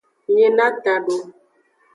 Nyina tado.